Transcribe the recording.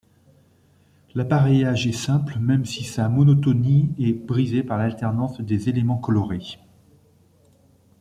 L’appareillage est simple même si sa monotonie est brisée par l’alternance des éléments colorés.